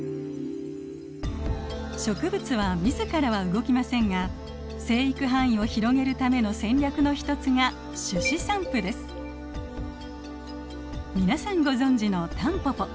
植物は自らは動きませんが生育範囲を広げるための戦略の一つが皆さんご存じのタンポポ。